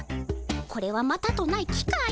これはまたとない機会。